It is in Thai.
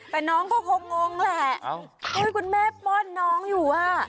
แต่น้องก็คงงแหละคุณแม่ป้อนน้องอยู่อ่ะ